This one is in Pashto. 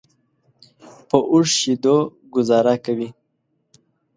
په اوښ شیدو ګوزاره کوي.